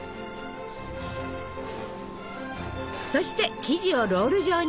そして生地をロール状に。